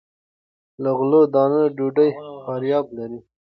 له غلو- دانو ډوډۍ فایبر لري.